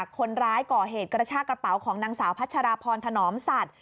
คนร้ายก่อเหตุกระชากระเป๋าของนางสาวพัชราพรถนอมสัตว์